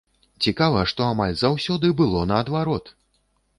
Цікава, што амаль заўсёды было наадварот!